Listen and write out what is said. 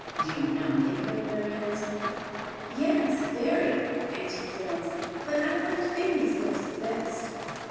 Do you not think her very handsome?" "Yes, very," answered Florence; "but I liked Fanny's looks the best."